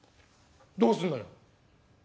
「どうすんのよ？」。